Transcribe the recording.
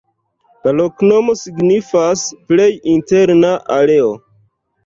La loknomo signifas: "plej interna areo".